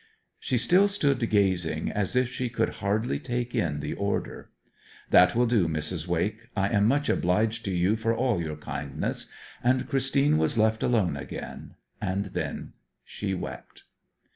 She still stood gazing, as if she could hardly take in the order. 'That will do, Mrs. Wake. I am much obliged to you for all your kindness.' And Christine was left alone again, and then she wept.